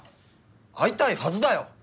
会いたいはずだよ！